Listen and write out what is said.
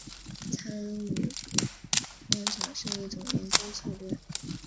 参与观察是一种研究策略。